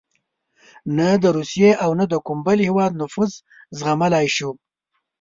نه د روسیې او نه د کوم بل هېواد نفوذ زغملای شو.